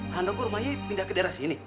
handoko rumahnya pindah ke daerah sini